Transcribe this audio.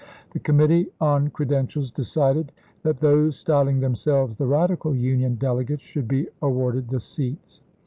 The committee on cre dentials decided that those styling themselves the " Radical Union " delegates should be awarded the seats.